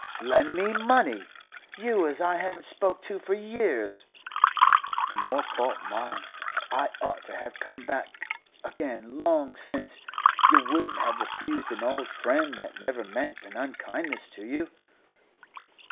'Lend me money? You as I haven't spoke to for years?' 'The more fault mine. I ought to have come back again long since; you wouldn't have refused an old friend that never meant an unkindness to you.